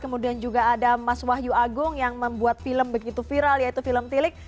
kemudian juga ada mas wahyu agung yang membuat film begitu viral yaitu film tilik